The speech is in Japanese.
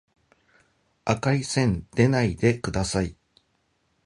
赤い線でないでください